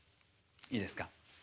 いいですか？